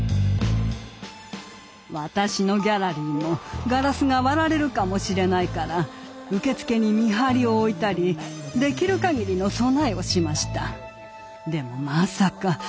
私のギャラリーもガラスが割られるかもしれないから受付に見張りを置いたりできるかぎりの備えをしました。